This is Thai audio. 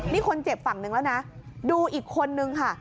นี่คนเจ็บฝั่งหนึ่งแล้วนะดูอีกคนนึงค่ะ